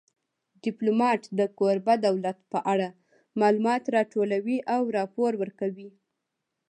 ډیپلومات د کوربه دولت په اړه معلومات راټولوي او راپور ورکوي